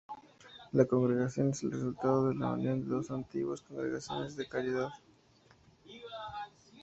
La congregación es el resultado de la unión de dos antiguas congregaciones de caridad.